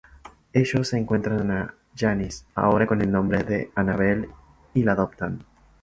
Ellos encuentran a Janice, ahora con el nombre de Annabelle, y la adoptan.